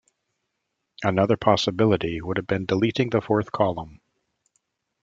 Another possibility would have been deleting the fourth column.